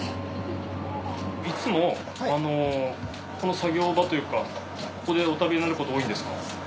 いつもこの作業場というかここでお食べになることが多いんですか？